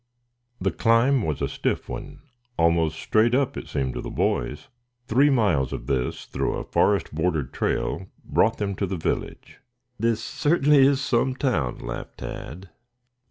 The climb was a stiff one almost straight up, it seemed to the boys. Three miles of this through a forest bordered trail brought them to the village. "This certainly is some town," laughed Tad.